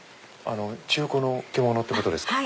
中古の着物ってことですか。